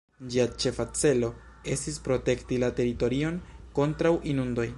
Ĝia ĉefa celo estis protekti la teritorion kontraŭ inundoj.